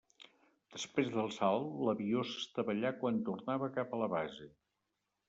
Després del salt l'avió s'estavellà quan tornava cap a la base.